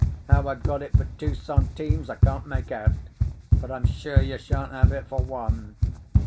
How I got it for two centimes I can't make out; but I'm sure you shan't have it for one."